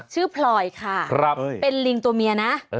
พลอยค่ะเป็นลิงตัวเมียนะ